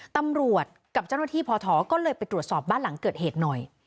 ตำรวจกับเจ้าหน้าที่พอท้อก็เลยไปตรวจสอบบ้านหลังเกิดเหตุหน่อย